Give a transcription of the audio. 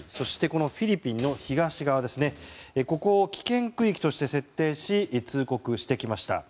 フィリピンの東側ここを危険区域として設定し通告してきました。